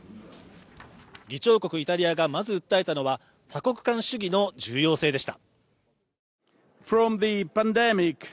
議長国イタリアがまず訴えたのは多国間主義の重要性でした。